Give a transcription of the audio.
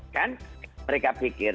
kan mereka pikir